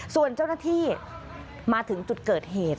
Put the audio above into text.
ส่วนเจ้าหน้าที่มาถึงจุดเกิดเหตุ